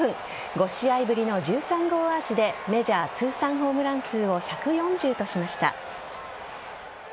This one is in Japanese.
５試合ぶりの１３号アーチでメジャー通算ホームラン数を１４０としました。